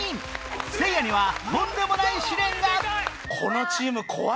せいやにはとんでもない試練が